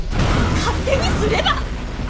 勝手にすれば！